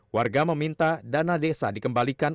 warga meminta dana desa dikembalikan